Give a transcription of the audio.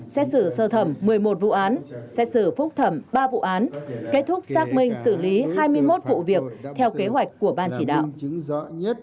xét xử sơ thẩm một mươi một vụ án xét xử phúc thẩm ba vụ án kết thúc xác minh xử lý hai mươi một vụ việc theo kế hoạch của ban chỉ đạo